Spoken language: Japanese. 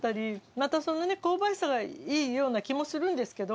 またその香ばしさがいいような気もするんですけど。